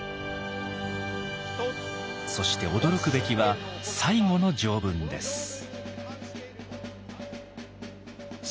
そして驚くべきは最後の条文です。